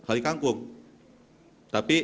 tapi berdasarkan angka angka